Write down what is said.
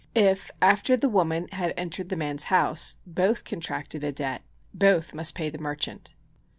If after the woman had entered the man's house, both contracted a debt, both must pay the merchant.